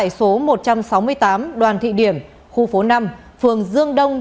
trung tâm trú tại số một trăm sáu mươi tám đoàn thị điểm khu phố năm phường dương đông